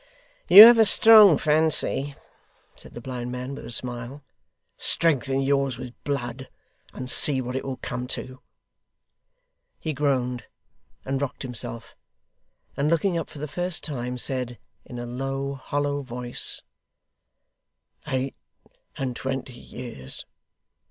'You have a strong fancy,' said the blind man, with a smile. 'Strengthen yours with blood, and see what it will come to.' He groaned, and rocked himself, and looking up for the first time, said, in a low, hollow voice: 'Eight and twenty years!